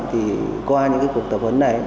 thì qua những cuộc tập huấn này